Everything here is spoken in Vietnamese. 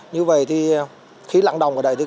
như vậy thì khi lặng đồng ở đây